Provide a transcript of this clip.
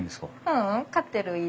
ううん飼ってる犬。